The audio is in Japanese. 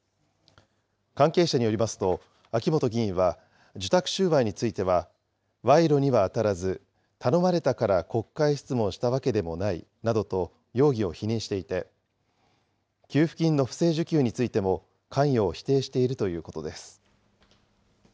関係者によりますと、秋本議員は、受託収賄については、賄賂には当たらず、頼まれたから国会質問したわけでもないなどと容疑を否認していて、給付金の不正受給についても、関与を否定しているということです。